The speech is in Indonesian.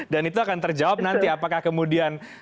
dan itu akan terjawab nanti apakah kemudian